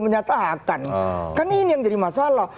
menyatakan kan ini yang jadi masalah